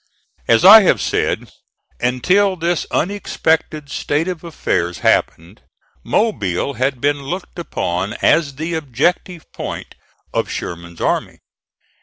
As I have said, until this unexpected state of affairs happened, Mobile had been looked upon as the objective point of Sherman's army.